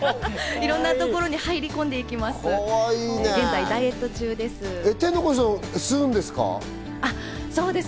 いろんなところに入り込んでいきます。